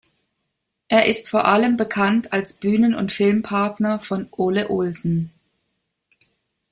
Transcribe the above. Er ist vor allem bekannt als Bühnen- und Filmpartner von Ole Olsen.